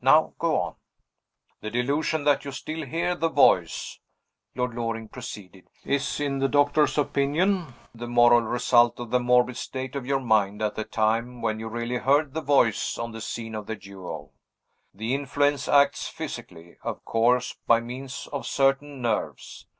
Now go on." "The delusion that you still hear the voice," Lord Loring proceeded, "is, in the doctor's opinion, the moral result of the morbid state of your mind at the time when you really heard the voice on the scene of the duel. The influence acts physically, of course, by means of certain nerves.